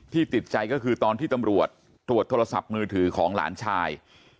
ติดใจก็คือตอนที่ตำรวจตรวจโทรศัพท์มือถือของหลานชาย